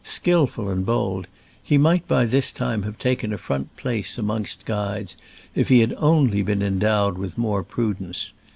39 skillful and bold, he might by this time have taken a front place amongst guides if he had only been endowed with more prudence.